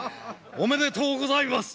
おめでとうございます！